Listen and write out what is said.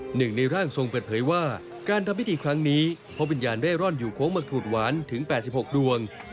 หนึ่งในร่างทรงเปิดเผยว่าการทำพิธีครั้งนี้พบวิญญาณเร่ร่อนอยู่โค้งมะกรูดหวานถึง๘๖ดวง